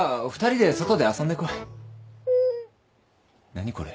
何これ。